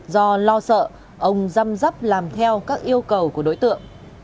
do lo sợ ông răm dắp làm theo các yêu cầu của đối tượng